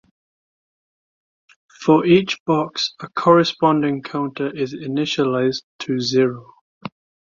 For each box, a corresponding counter is initialized to zero.